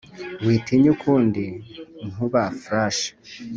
witinya ukundi inkuba-flash,